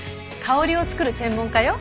香りを作る専門家よ。